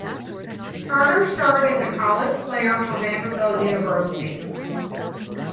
Turner starred as a college player for Vanderbilt University.